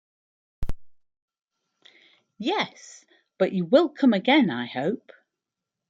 Yes; but you will come again, I hope?